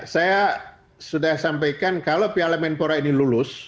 saya sudah sampaikan kalau piala menpora ini lulus